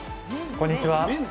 こんにちは。